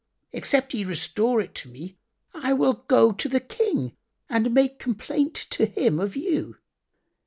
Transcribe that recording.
Except ye restore it to me, I will go to the King and make complaint to him of you."